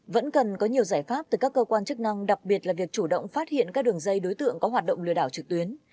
vẫn cần có nhiều giải pháp từ các cơ quan chức năng đặc biệt là việc chủ động phát hiện các đường dây đối tượng có hoạt động lừa đảo trực tuyến